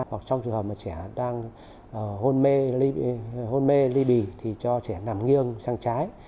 hoặc trong trường hợp mà trẻ đang hôn mê ly bì thì cho trẻ nằm nghiêng sang trang